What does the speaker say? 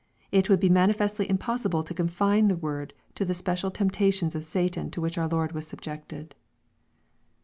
It would be manifestly impossible to confine the word to the special temptations of Satan to which our Lord was subjected.